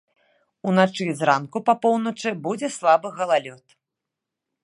Уначы і зранку па поўначы будзе слабы галалёд.